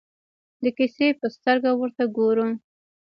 د کیسې په سترګه ورته ګورو.